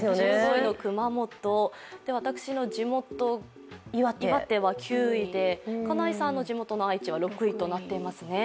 １５位の熊本、私の地元・岩手は９位で金井さんの地元の愛知は６位となっていますね。